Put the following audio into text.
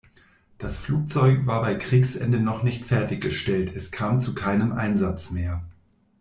Das Flugzeug war bei Kriegsende noch nicht fertiggestellt; es kam zu keinem Einsatz mehr.